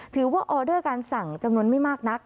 ออเดอร์การสั่งจำนวนไม่มากนัก